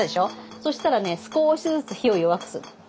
そしたらね少しずつ火を弱くする。